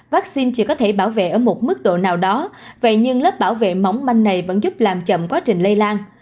vaccine chỉ có thể bảo vệ ở một mức độ nào đó vậy nhưng lớp bảo vệ mỏng manh này vẫn giúp làm chậm quá trình lây lan